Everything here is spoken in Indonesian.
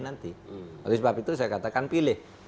nanti oleh sebab itu saya katakan pilih